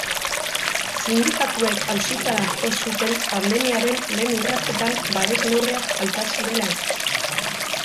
Sindikatuek auzitara jo zuten pandemiaren lehen urratsetan babes neurriak falta zirela eta.